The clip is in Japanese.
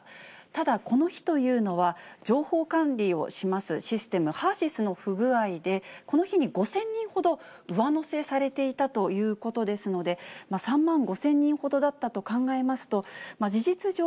ただ、この日というのは、情報管理をしますシステム、ＨＥＲーＳＹＳの不具合で、この日に５０００人ほど、上乗せされていたということですので、３万５０００人ほどだったと考えますと、事実上、